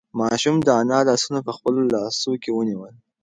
ماشوم د انا لاسونه په خپلو لاسو کې ونیول.